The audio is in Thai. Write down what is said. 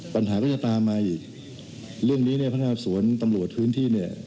ปัญหาก็จะตามมาอีกเรื่องนี้เนี่ยพนักงานสวนตำรวจพื้นที่เนี่ย